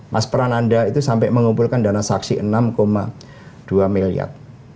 mas prananda sampai mengumpulkan dana saksi rp enam dua miliar